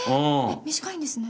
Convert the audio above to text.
短いんですね。